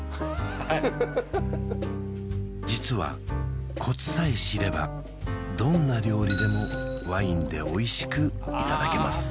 はい実はコツさえ知ればどんな料理でもワインでおいしくいただけます